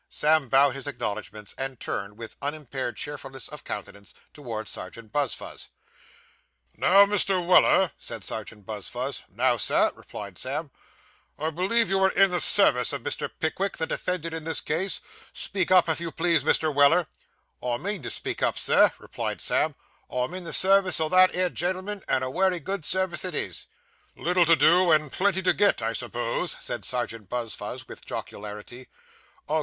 Sam bowed his acknowledgments and turned, with unimpaired cheerfulness of countenance, towards Serjeant Buzfuz. 'Now, Mr. Weller,' said Serjeant Buzfuz. 'Now, sir,' replied Sam. 'I believe you are in the service of Mr. Pickwick, the defendant in this case? Speak up, if you please, Mr. Weller.' 'I mean to speak up, Sir,' replied Sam; 'I am in the service o' that 'ere gen'l'man, and a wery good service it is.' 'Little to do, and plenty to get, I suppose?' said Serjeant Buzfuz, with jocularity.